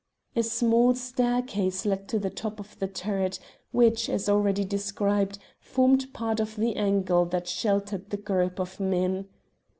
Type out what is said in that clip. A small staircase led to the top of the turret, which, as already described, formed part of the angle that sheltered the group of men.